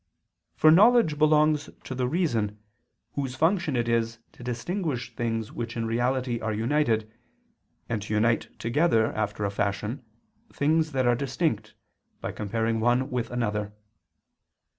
For knowledge belongs to the reason, whose function it is to distinguish things which in reality are united, and to unite together, after a fashion, things that are distinct, by comparing one with another.